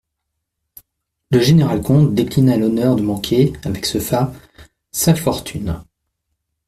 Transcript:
Le général-comte déclina l'honneur de manquer, avec ce fat, sa fortune.